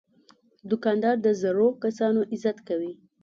دوکاندار د زړو کسانو عزت کوي.